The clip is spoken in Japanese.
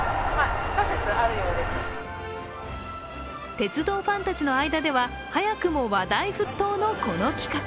鉄道ファンたちの間では早くも話題沸騰のこの企画。